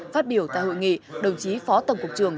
phát biểu tại hội nghị đồng chí phó tổng cục trường